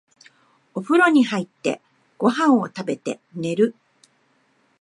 お風呂に入って、ご飯を食べて、寝る。